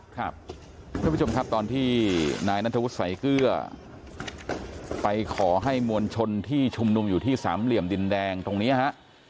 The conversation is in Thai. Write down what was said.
ท่านผู้ชมครับตอนที่นายนัทธวุฒิสายเกลือไปขอให้มวลชนที่ชุมนุมอยู่ที่สามเหลี่ยมดินแดงตรงนี้ฮะ